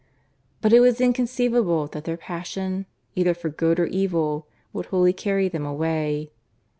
But it was inconceivable that their passion, either for good or evil, could wholly carry them away.